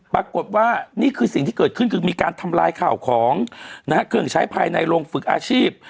ปรากฏว่านี่คือสิ่งที่เกิดขึ้นคือมีการทำลายข่าวของนะฮะเครื่องใช้ภายในโรงฝึกอาชีพ